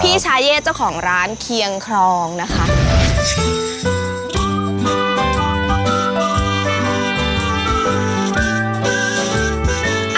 พี่ชายศเจ้าของร้านเคียงครองนะคะ